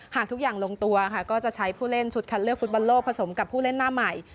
หากทุกอย่างลงตัวค่ะก็จะใช้ผู้เล่นชุดคัดเลือกฟุตบอลโลกผสมกับผู้เล่นหน้าใหม่